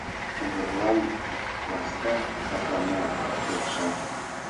Могырлан ласка, капланат келша